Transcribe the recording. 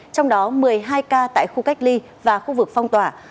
trong đó một mươi hai ca tại khu cách ly và khu vực phong tỏa